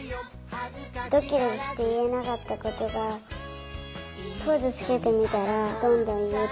ドキドキしていえなかったことがポーズつけてみたらどんどんいえるようになってきた。